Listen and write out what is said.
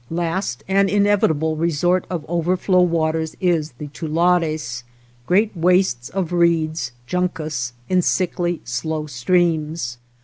Last and inevitable resort of overflow waters is the tulares, great wastes of reeds {Jitnctis) in sickly, slow streams.